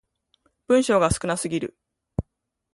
文章が少なすぎる